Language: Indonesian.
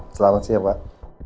selamat siap pak